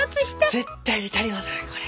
絶対に足りませんこれ。